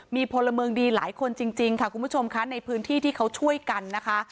มีพลเมืองดีหลายคนจริงค่ะคุณผู้ชมค่ะในพื้นที่ที่เขาช่วยกันนะคะ